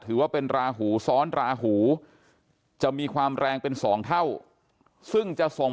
ถือว่าเป็นราหูซ้อนราหูจะมีความแรงเป็นสองเท่าซึ่งจะส่ง